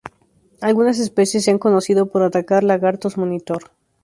Algunas especies se han conocido por atacar lagartos monitor.